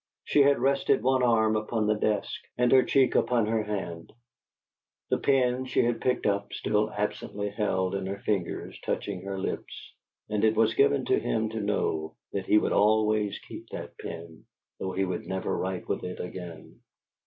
She had rested one arm upon the desk, and her cheek upon her hand; the pen she had picked up, still absently held in her fingers, touching her lips; and it was given to him to know that he would always keep that pen, though he would never write with it again.